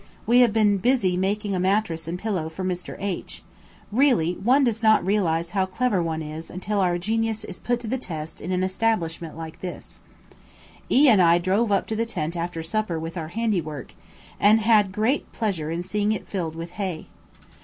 We have been busy making a mattress and pillow for Mr. H , really one does not realise how clever one is until our genius is put to the test in an establishment like this. E and I drove up to the tent after supper with our handiwork, and had great pleasure in seeing it filled with hay.